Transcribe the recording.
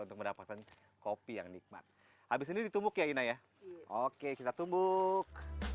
untuk mendapatkan kopi yang nikmat habis ini ditumbuk ya ina ya oke kita tumbuk